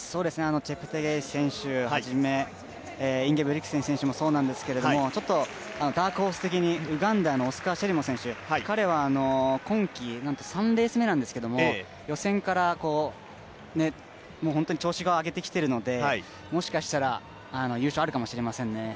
チェプテゲイ選手をはじめインゲブリクセン選手もそうなんですけどダークホース的に、ウガンダのオスカー・チェリモ選手、彼は今季、３レース目なんですけれども予選から調子を上げてきているのでもしかしたら優勝あるかもしれませんね。